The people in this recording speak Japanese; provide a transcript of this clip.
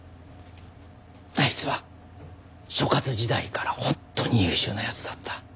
あいつは所轄時代から本当に優秀な奴だった。